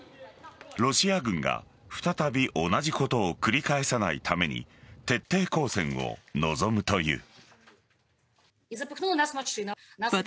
ロシア軍が再び同じことを繰り返さないために徹底抗戦を望むという。